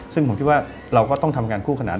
ซึ่งผมคิดว่าเราก็ต้องทำงานคู่ขนาด